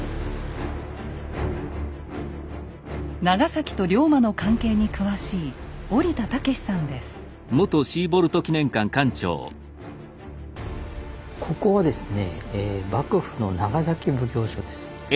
長崎と龍馬の関係に詳しいここはですね